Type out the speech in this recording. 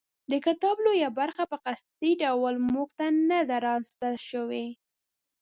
د کتاب لویه برخه په قصدي ډول موږ ته نه ده رازده شوې.